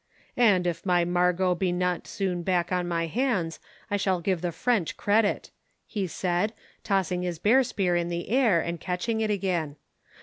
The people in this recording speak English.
"And, if my Margot be not soon back on my hands, I shall give the French credit," he said, tossing his bear spear in the air, and catching it again.